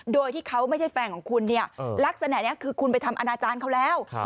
โดยที่เขาไม่ใช่แฟนของคุณเนี่ยลักษณะนี้คือคุณไปทำอนาจารย์เขาแล้ว